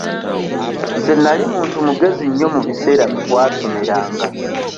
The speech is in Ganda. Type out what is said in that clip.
Nze nali muntu mugezi nnyo mu biseera mwe twasomeranga.